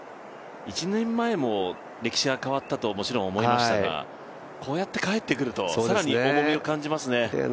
１年前も歴史が変わったともちろん思いましたが、こうやって帰ってくると、更に重みを感じますね。